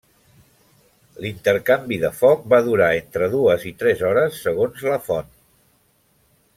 L'intercanvi de foc va durar entre dues i tres hores segons la font.